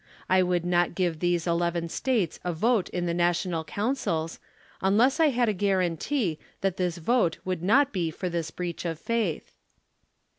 I would not give these eleven States a vote in the l!^ational councils, unless I had a guaranty that this vote would not be for this breach of faith.